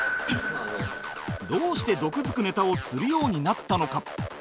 どうして毒づくネタをするようになったのか？